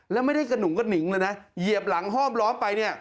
แล้วไม่ได้กระหุงกระหนิงเลยนะเหยียบหลังห้อมล้อมไปเนี่ย